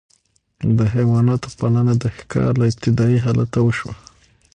د حیواناتو پالنه د ښکار له ابتدايي حالته وشوه.